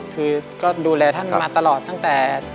คือก็ดูแลท่านมาตลอดตั้งแต่